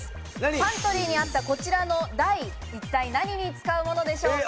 パントリーにあったこちらの台、いったい何に使うものでしょうか？